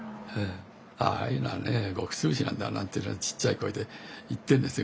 「ああいうのはね穀潰しなんだ」なんてちっちゃい声で言ってんですよ。